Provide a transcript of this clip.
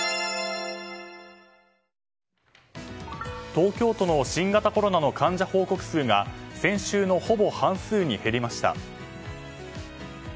東京都の新型コロナの患者報告数が先週の、ほぼ半数に減りました。